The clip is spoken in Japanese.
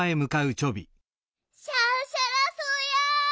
シャンシャラ草やい。